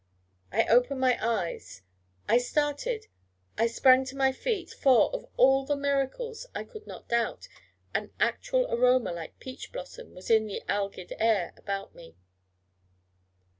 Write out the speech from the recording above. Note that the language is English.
I opened my eyes I started I sprang to my feet! For, of all the miracles! I could not doubt an actual aroma like peach blossom was in the algid air about me!